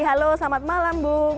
halo selamat malam bung